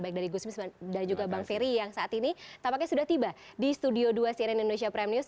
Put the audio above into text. baik dari gusmis dan juga bang ferry yang saat ini tampaknya sudah tiba di studio dua cnn indonesia prime news